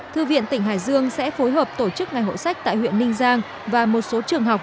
thư viện tỉnh hải dương sẽ phối hợp tổ chức ngày hộ sách tại huyện ninh giang và một số trường học